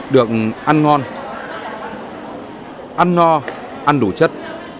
được ăn ngon ăn no ăn đủ chất